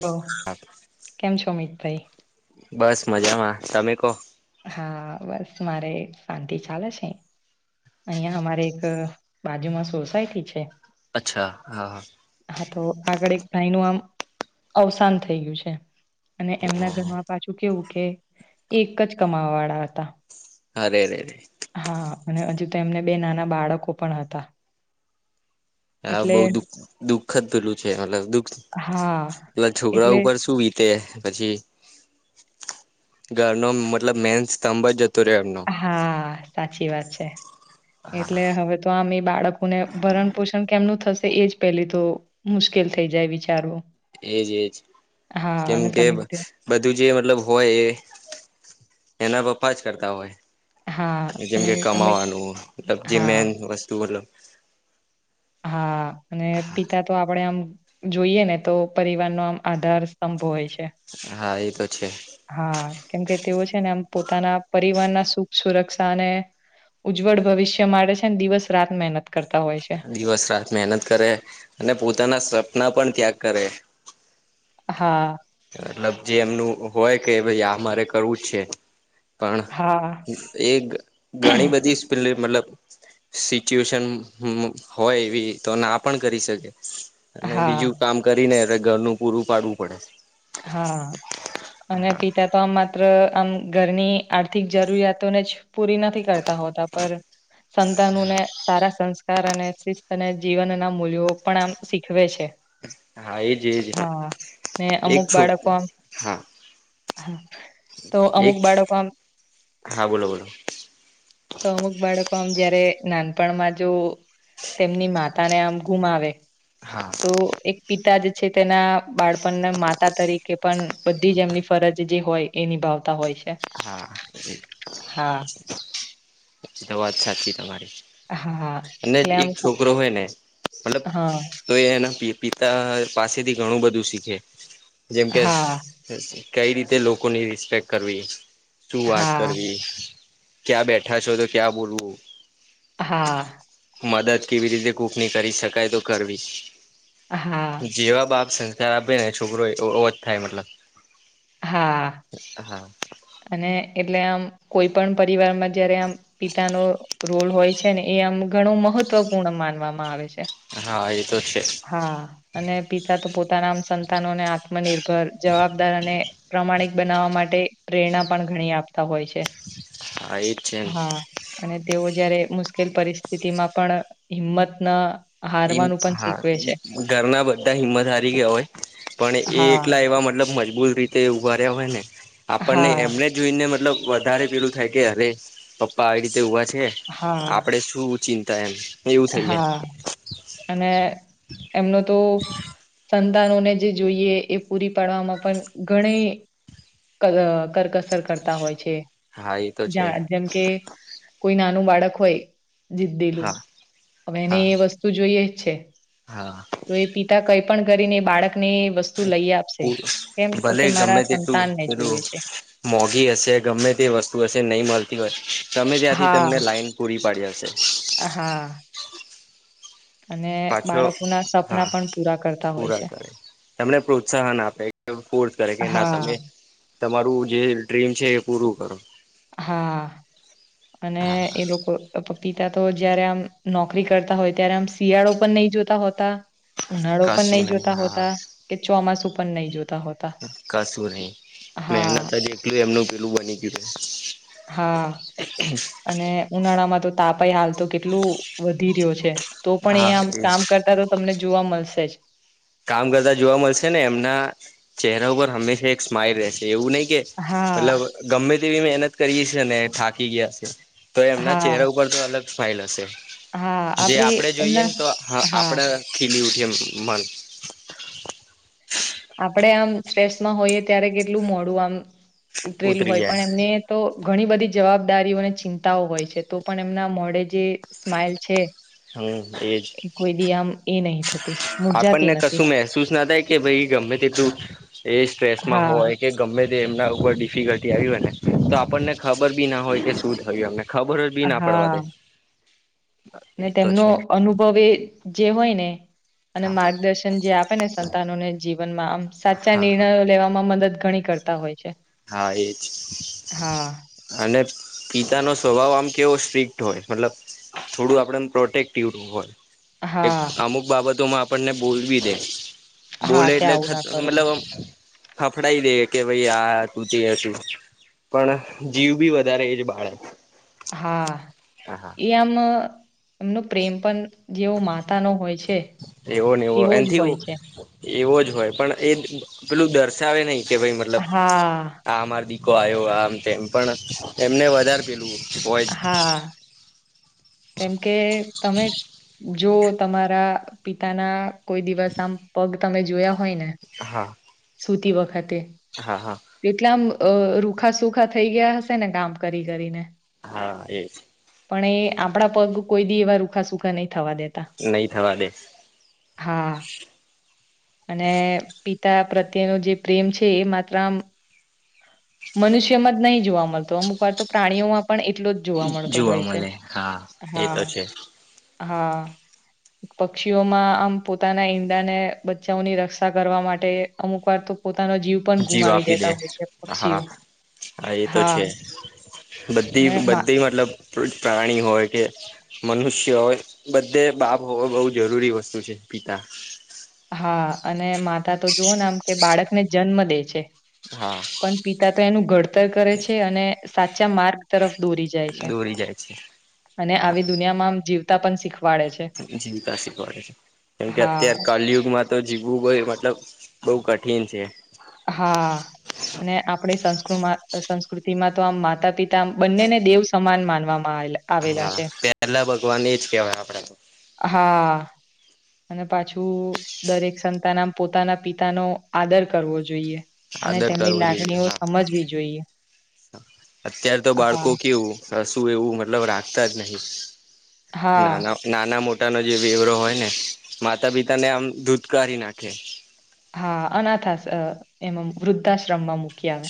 Hello કેમ છો અમિતભાઈ બસ મજામાં તમે કહો હા બસ મારે શાંતિ ચાલે છે અહિયાં અમારે એક બાજુમાં સોસાયટી છે અચ્છા હા હા હા તો આગળ એક ભાઈ નું આમ અવસાન થઈ ગયું છે અને એમના ઘરમાં પાછું કેવું કે એ એક જ કમાવા વાળા હતા અરે અરે હા અને હજુ તો એમને બે નાના બાળકો પણ હતા હા બહુ એટલે દુખ દુખ જ પેલું છે મતલબ દુખ હા પેલા છોકરા એટલે ઉપર શું વીતે પછી ઘરનો મતલબ મેન સ્તંભ જતો રહ્યો એમનો હા સાચી વાત છે એટલે હવે તો આમ એ બાળકોને ભરણ પોષણ કેમનું થશે એજ પેલી તો મુશ્કેલ થઈ જાય વિચારવો એજ એજ કેમ કે તમે બધું જે મતલબ હોય એ એના પપ્પા જ કરતા હોય હા જેમ અને કે તમે કમાવાનું મલબ જે હા મેન વસ્તુ મતલબ હા અને પિતા તો આપડે આમ જોઈએ ને તો પરિવાર નો આમ આધાર સ્તંભ હોય છે હા એ તો છે હા કેમકે તેઓ છે ને આમ પોતાના પરિવારના સુખ સુરક્ષા અને ઉજ્જવળ ભવિષ્ય માટે છે ને દિવસ રાત મહેનત કરતા હોય છે દિવસ રાત મહેનત કરે અને પોતાના સપના પણ ત્યાગ કરે હા મતલબ જે એમનું હોય કે ભાઈ આમારે કરવું છે પણ હા એ ઘણી બધી [unintelligible] મતલબ સિચ્યુએશન હોય એવી તો ના પણ કરી શકે અને હા બીજું કામ કરીને એટલે ઘરનું પૂરું પાડવું પડે હા અને પિતા તો આમાં માત્ર આમ ઘરની આર્થિક જરૂરિયાતોને જ પૂરી નથી કરતા હોતા પર સંતાનોને સારા સંસ્કાર અને શિસ્ત અને જીવન ના મૂલ્યો પણ આમ શીખવે છે છે હા એજ એજ હા ને એક અમુક બાળકો છોકરી આમ હા હા તો અમુક એક બાળકો આમ હા બોલો બોલો તો અમુક બાળકો મ જયારે નાનપણમાં જો તેમની માતા ને આમ ગુમાવે હા તો એક પિતા જે છે તેના બાળપણના માતા તરીકે પણ બધી જ એમની ફરજ જે હોય એ નિભાવતા હોય છે હા હા તો વાત સાચી તમારી હા અને એટલે આમ એક કુ છોકરો હોય ને મતલબ હા તો એ એના પિતા પાસેથી ઘણું બધું શીખે જેમ કે હા કઈ રીતે લોકોની રિસ્પેક્ટ કરવી શું વાત હા કરવી ક્યાં બેઠા છો તો ક્યાં બોલવું હા મદદ કેવી રીતે કૂકની કરી શકાય તો કરવી હા જેવા બાપ છે આપે ને છોકરો ઓ જ થાય મતલબ હા હા અને એટલે આમ કોઈ પણ પરિવાર માં જયારે આમ પિતાનો રોલ હોય છે ને એ આમ ઘણું મહત્વપૂર્ણ માનવામાં આવે છે હા એ તો છે હા અને પિતા તો પોતાનામ સંતાનોને આત્મનિર્ભર જવાબદાર અને પ્રમાણિક બનાવવા માટે પ્રેરણા પણ ઘણી આપતા હોય છે હા એ જ છે હા અને તેઓ જયારે મુશ્કેલ પરિસ્થિતિ માં પણ હિંમત ના એવું હા ઘરના બધા હિંમત હારી ગયા હોય પણ એ હા. એકલા એવા મતલબ મજબૂત રીતે ઉભા રહ્યા હોય ને આપણને હા એમને જોઈને મતલબ વધારે પેલું થાય કે અરે પપ્પા આવી રીતે ઉભા છે હા આપડે શું ચિંતા એમ એવું થઈ જાય હા અને એમનો તો સંતાનોને જે જોઈએ એ પૂરી પાડવામાં પણ ઘણી કરકસર કરતા હોય છે હા એ તો છે જેમ કે કોઈ ના નું બાળક હોય જીદ્દીલું હા હવે એને હા એ વસ્તુ જોઈએ જ છે હા તો એ પિતા કઈ પણ કરીને બાળક ની વસ્તુ લઈ આપશે કેમ તો કે ભલે ગમે મારા તેટલું સંતાનને પેલું જોઈએ છે મોઘી હશે ગમે તે વસ્તુ હશે નહી મળતી હોય તમે ત્યાંથી તમને હા, લાઈન પૂરી પાડ્યા હા અને પાછો બાળકોના સપના હા પણ પૂરા કરતા હોય છે. પૂરા કરે તમને પ્રોત્સાહન આપે કે ફોર્સ કરે કે ના હા, તમે તમારું જે ડ્રીમ છે એ પૂરું કરો હા અને હા એ લોકો પિતા તો જયારે આમ નોકરી કરતા હોય ત્યારે આમ શિયાળો પણ નહી જોતા હોતા ઉનાળો પણ કશું નહી જોતા હા હોતા કે ચોમાસું પણ નહી જોતા હોતા. કશું નહી હા, મહેનતટલું એમનું પેલું બની ગયું છે હા અને ઉનાળામાં તો તાપાઈ હાલ તો કેટલું વધી રહ્યો છે તો પણ હા અહીંયામ એજ કામ કરતા તો તમને જોવા મળશે જ કામ કરતા જોવા મળશે ને એમના ચહેરા ઉપર હંમેશા એક સ્માઈલ રહેશે એવું નહી કે મતલબ હા, ગમે તેવી મહેનત કરીએ છે થાકી ગયા છે તો એમના હા, ચહેરા ઉપર તો અલગ ફાઇલ હશે હા, જે આપડી આપડે જોઈએ એમના ને તો હા, આપણેે ખીલી ઉઠીએ મન આપડે આમ સ્ટ્રેસમાં હોઈએ ત્યારે કેટલું મોડું આમ ઉતરેલું ઉતરી હોય પણ જાય એમને તો ઘણી બધી જવાબદારીઓ અને ચિંતાઓ હોય છે તો પણ એમના મોડે જે સ્માઈલ છે હમ એજ એ કોઈ દી આમ એ નહી થતી, મુરઝાતી આપણને નથી. કશું મહેસૂસ ના થાય કે ભાઈ ગમે તેટલું એ સ્ટ્રેસમાં હા, હોય કે ગમે તે એમના ઉપર ડિફિકલ્ટી આવી હોય ને તો આપણને ખબર બી ના હોય કે શું થયું અમને ખબર જ બી ના પડવા હા. દે ને એ તો તેમનો છે અનુભવ એ જે હોય ને અને હા માર્ગદર્શન જે આપે ને સંતાનોને જીવન માં આમ સાચા હા હા નિર્ણયો લેવામાં મદદ ઘણી કરતા હોય છે હા એજ હા. અને પિતાનો સ્વભાવ આમ કેવો સ્ટ્રીિક હોય મતલબ થોડું આપણે પ્રોટેક્ટિવ હોય એક હા અમુક બાબત તો આપણને બોલવી દે હા બોલે કે એટલે આવું ના કરો મતલબ ડા દે કે ભાઈ આ હતું તે હતું પણ જીવ બી વધારે એજ બાળે હા એ આમ એમનો પ્રેમ પણ જેવો માતા નો હોય છે એવો ને એવો તેવો જ હોય એથી છે એવો જ હોય પણ એ પેલું દર્શાવે નહી કે ભાઈ મતલબ હા આ અમારા થી કો આવ્યો આમ તેમ પણ એમને વધારે પીલું હોય હા કેમ કે તમે જો તમારા પિતા ના કોઈ દિવસ આમ પગ તમે જોયા હોય ને હા સુતી વખત હા હા કેટલામ અ રૂખા સુખા થઈ ગયા હશે ને કામ કરી કરીને હા એ છે પણ એ આપણા પગ કોઈ દી એવા રૂખા સુખા નહીં થવા દેતા નહી થવા દે હા અને પિતા પ્રત્યેનો જે પ્રેમ છે એ માત્ર મનુષ્યમાં જ નહી જોવા મળતો અમુક વાર તો પ્રાણીઓમાં પણ એટલો જ જોવા મળતો હોય છે મળે હા એ હા તો છે હા પક્ષીઓમાં આમ પોતાના ઈંડાને બચ્ચાઓની રક્ષા કરવા માટે અમુક વાર તો પોતાનો જીવ પણ ગુમાવી દે હા હા એ તો છે બધી અને બધી મતલબ પ્રાણી હોય કે મનુષ્ય હોય બધે બાપ હોવ બહુ જરૂરી વસ્તુ છે. પીતા હા અને માતા તો જુવોને આમ કે બાળકને જન્મ દે છે. હા. પણ પિતા તો એનું ઘડતર કરે છે અને સાચા માર્ગ તરફ દોરી જાય છે. દોરી જાય છે અને આવી દુનિયામાં આમ જીવતા પણ શીખવા જીવતા શીખવાડે છે કેમ કે હા, અત્ય્યારે કલયુગમાં તો જીવવું હોય મતલબ બહુ ક્ઠીન છે. હા અને આપણી સંસ્ કૃતિ માં તો આમ માતા પિતામ બંને ને દેવ સમાન માનવામાં આવેલા. આવેલા હા છે. પેલા ભગવાન એ જ કેહેવાય આપડે. હા. અને પાછું દરેક સંતાન આમ પોતાના પિતાનો આદર કરવો જોઈએ. અને આદર તેમની કરવો જોઈએ લાગણીઓ હા સમજવી જોઈએ. અત્યારે તો બાળકો હા, કેવું શું એવું મતલબ રાખતા જ નહી. હા, નાના નાના મોટા નો જે વેવરો હોય ને માતા પિતા ને આમ ધૂધકારી નાખે. હા અનાથઆશ એમ વૃદ્ધાશ્રમમાં મૂકી આવે.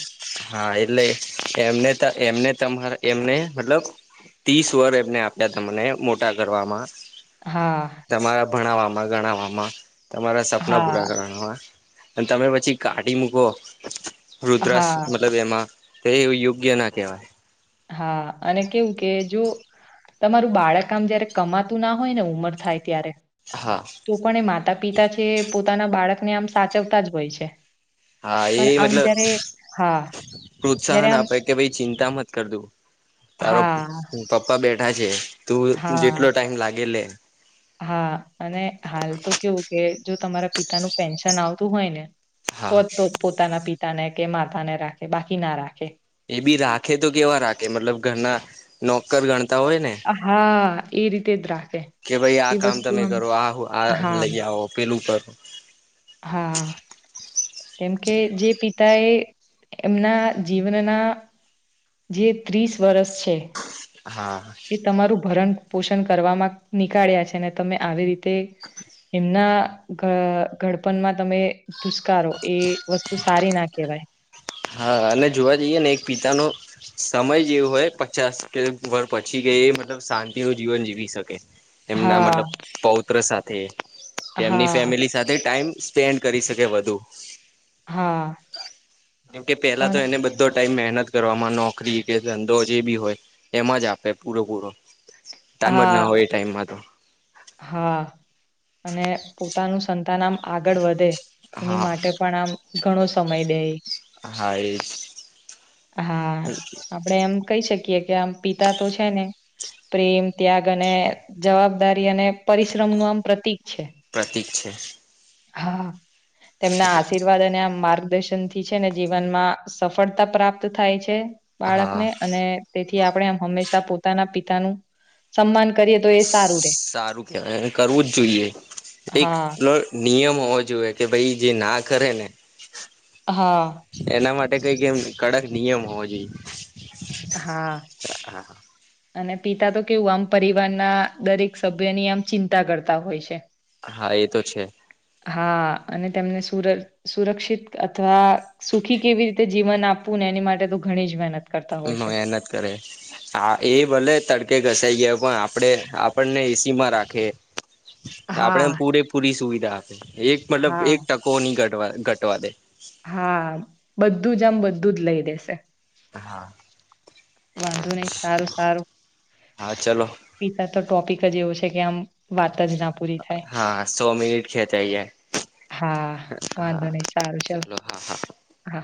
હા એટલે એમને ત એમને તમારે એમને મતલબ ત્રીસ વર એમને આપ્યા તમને મોટા કરવામાં. હા. તમારા ભણાવવામાં ગણાવવામાં તમારા સપના પૂરા હા, કરાવવામાં. અને તમે પછી કાઢી મૂકો રુદ્રક્ષ હા. મતલબ એમાં. તે એવું યોગ્ય ના કેવાય હા અને કેવું કે જો તમારું બાળક આમ જયારે કમાતું ના હોય ને ઉમર થાય ત્યારે હા તો પણ એ માતા પિતા છે પોતાના બાળકને આમ સાચવતા જ હોય છે. હા એ પણ આમ મતલબ જયારે હા જયારે પ્રોત્સાહન આમ આપે કે ભાઈ ચિંતા મત કર તું તારો હા પપ્પા બેઠા છે તું જેટલો હા ટાઈમ લાગે લે. હા અને હાલ તો કેવું કે જો તમારા પિતા નું પેન્શન આવતું હોય ને તો હા જ તો પોતાના પિતાને કે માતા ને રાખે બાકી ના રાખે. એ બી રાખે તો કેવા રાખે મતલબ ઘરના નોકર ગણ હા ઈ રીતે જ રા કે ભાઈ આ કામ તમે કરો આ આ હા લઈ આવો પેલું કરો. હા કેમ કે જે પિતા એ એમના જીવનના જે ત્રીસ વર્ષ છે. હા એ તમારું ભરણ, પોષણ કરવામાં નીકાળ્યા છે ને તમે આવી રી તે એમના ઘ ધડપણમાં તમે ધુષ્કારો એ વસ્તુ સારી ના કેવાય. હા અને જોવા જઈએ ને એક પિતાનો સમય જેવું હોય પચાસ કે વર પછી કે એ મતલબ શાંતિ નું જીવન જીવી શકે. એમના હા, મતલબ પૌત્ર સાથે, કે એમની હા, ફેમિલી સાથે ટાઈમ સ્પેન્ડ કરી શકે વધુ હા. કેમ કે પેલા તો પણ એને બધો ટાઈમ મહેનત કરવામાં નોકરી, કે ધંધો જે બી હોય. એમાં જ આપે પૂરેપૂરો ટાઈમ જ ના હા, હોય એ ટાઈમમાં તો. હા. અને પોતાનું સંતાન આમ આગળ વધે એની હા માટે પણ આમ ઘણો સમય દેઇ હા એજ હા આપડે એમ કહી શક એકે કે આમ પિતા તો છે ને, પ્રેમ, ત્યાગ અને જવાબદા બી અને પરિશ્રમ નું આમ પ્રતિક છે. પ્રતીક છે. હા તેમના આશીર્વાદ અને આ માર્ગ દર્શનથી છે ને, જીવનમાં સફળતા પ્રાપ્ત થાય છે. હા બાળકને અને તેથી થી આપણે એમ હંમેશા પોતાના પિતાનું સન્માન કરીએ તો એ સારું રે સારું કેવાય. અને કરવું જ જોઈએ. એક હા [unintelligible] નિયમ હોવો જોઈએ. કે ભાઈ જે ના કરે ને હા એના માટે એ કઈક એમ કડક નિયમ હોવો જોઈએ. હા. અને પિતા તો કેવું આમ પરિવારના દરેક સભ્યની આમ ચિંતા કરતા હોય છે. હા એ તો છે. હા અને તેમને સુર સુરક્ષિત અથવા સુખી કેવી રીતે જીવન આપવું ને એની માટે તો ઘણી જ મહેનત કરતા હોય છે. મેહનત કરે. હા એ ભલે તડકે ઘ થ જાય, પણ આપણે આપણને એસી માં રાખે. આપણેે હા પૂરેપૂરી સુવિધ એક મતલબ હા એક ટકો ની ઘટ ઘટવા દે હા બધું જ આમ બધું જ લઈ દેશે. હા વાંધો નહી સારું સારું હા ચલો પિતા તો ટોપિક જ એવો છે કે આમ વાત જ ના પૂરી થાય હા સો મિનિટ ખેચાઇ જાય હા વાંધો હા નઈ સારું ચલો હા હા. હા